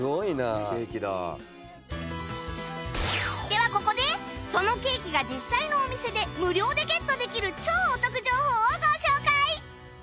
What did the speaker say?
ではここでそのケーキが実際のお店で無料でゲットできる超お得情報をご紹介！